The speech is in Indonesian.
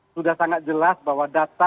sudah sangat jelas bahwa data